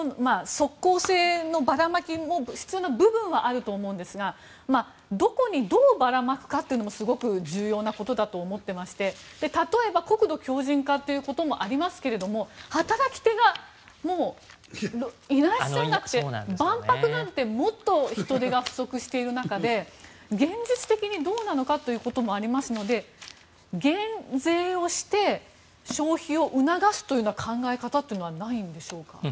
即効性のばらまきも必要な部分もあるとは思うんですがどこにどうばらまくかというのもすごく重要なことだと思っていまして例えば、国土強じん化ということもありますけど働き手がいらっしゃらなくて万博なんてもっと人手が不足している中で現実的にどうなのかということもありますので減税をして、消費を促すという考え方というのはないんでしょうか。